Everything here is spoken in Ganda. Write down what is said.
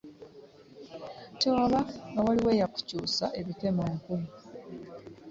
Tewaba nga waliwo eya kukyuusa ebikemo nkumu .